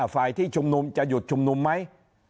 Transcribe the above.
ฝ่ายที่ชุมนุมจะหยุดชุมนุมไหม